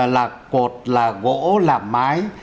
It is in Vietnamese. là cột là gỗ là mái